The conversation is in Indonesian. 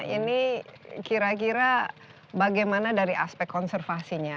ini kira kira bagaimana dari aspek konservasinya